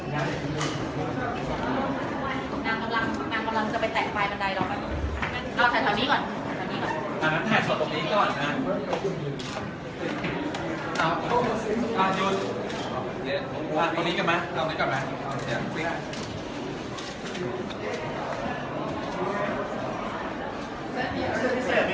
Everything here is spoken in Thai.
อกล่อแครงเกด